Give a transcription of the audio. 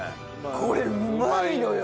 これうまいのよ！